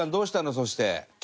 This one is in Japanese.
そして。